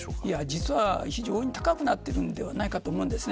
実は非常に高くなっているんではないかと思うんです。